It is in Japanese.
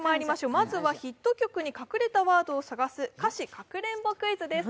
まずはヒット曲に隠れたワードを探す歌詞かくれんぼクイズです。